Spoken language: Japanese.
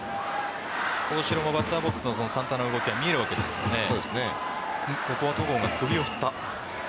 大城もバッターボックスのサンタナの動きがここは戸郷が首を振った。